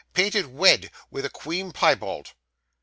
Painted wed, with a cweam piebald.